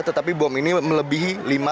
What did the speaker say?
tetapi bom ini melebihi